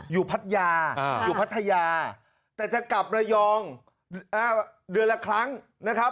พัทยาอยู่พัทยาแต่จะกลับระยองเดือนละครั้งนะครับ